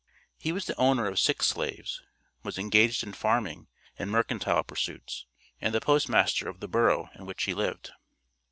He was the owner of six slaves, was engaged in farming and mercantile pursuits, and the postmaster of the borough in which he lived.